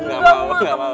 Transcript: enggak mau enggak mau